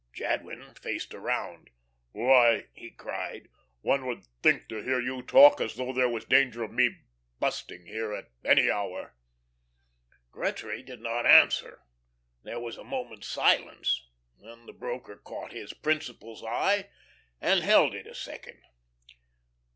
Jadwin faced around. "Why," he cried, "one would think, to hear you talk, as though there was danger of me busting here at any hour." Gretry did not answer. There was a moment's silence Then the broker caught his principal's eye and held it a second.